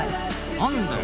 何だよ